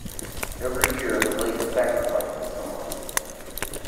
Every year the lake sacrifices someone.